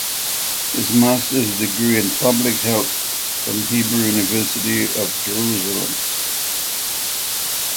His Masters degree in Public Health from Hebrew University of Jerusalem.